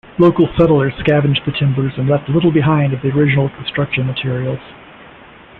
Local settlers scavenged the timbers and left little behind of the original construction materials.